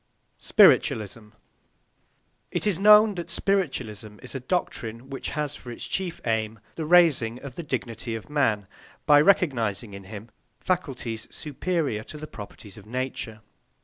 SPIRITUALISM It is known that spiritualism is a doctrine which has for its chief aim the raising of the dignity of man, by recognising in him faculties superior to the properties of matter.